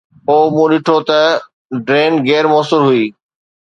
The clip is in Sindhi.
او، مون ڏٺو ته ڊرين غير موثر هئي